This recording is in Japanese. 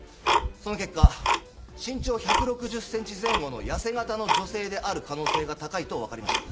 その結果身長１６０センチ前後の痩せ形の女性である可能性が高いとわかりました。